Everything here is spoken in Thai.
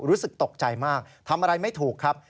รู้สึกตกใจมากทำอะไรไม่ถูกครับ